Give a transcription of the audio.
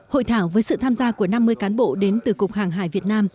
hội thảo với sự tham gia của năm mươi cán bộ đến từ cục hàng hải việt nam